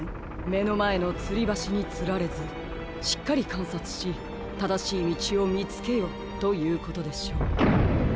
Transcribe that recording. めのまえのつりばしにつられずしっかりかんさつしただしいみちをみつけよということでしょう。